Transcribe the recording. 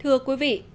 thưa quý vị